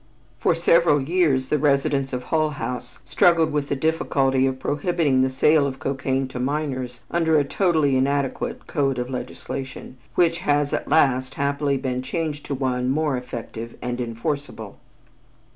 For several years the residents of Hull House struggled with the difficulty of prohibiting the sale of cocaine to minors under a totally inadequate code of legislation, which has at last happily been changed to one more effective and enforcible.